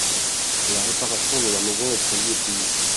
La réparation de la maison est prévu au plus vite.